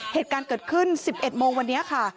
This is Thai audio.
เหตุการณ์เกิดขึ้น๑๑โมงวันนี้ค่ะ